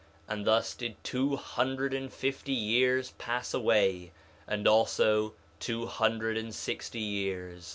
And thus did two hundred and fifty years pass away, and also two hundred and sixty years.